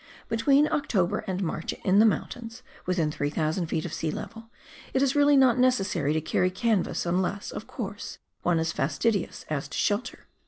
Between October and March in the mountains, within 3,000 ft. of sea level, it is really not necessary to carry canvas, unless, of course, one is fastidious as to shelter.